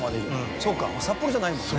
そっか札幌じゃないもんね。